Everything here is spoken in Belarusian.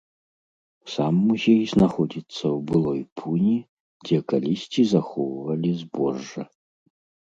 Сам музей знаходзіцца ў былой пуні, дзе калісьці захоўвалі збожжа.